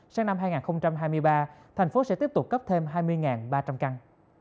sang năm hai nghìn hai mươi ba thành phố sẽ tiếp tục cấp thêm hai mươi ba trăm linh căn